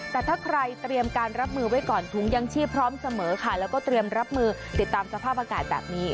แต่ถ้าใครเตรียมการรับมือไว้ก่อนถุงยังชีพพร้อมเสมอค่ะแล้วก็เตรียมรับมือติดตามสภาพอากาศแบบนี้